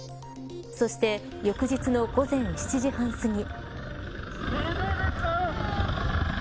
そして、翌日の午前７時半すぎ。